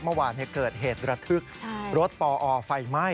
เมื่อวานเกิดเหตุระทึกรถปอไฟไหม้